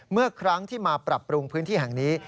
เมื่อครั้งที่มาปรับปรุงพื้นที่แห่งนี้